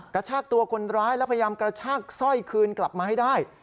กระชากตัวคนร้ายแล้วพยายามกระชากสร้อยคืนกลับมาให้ได้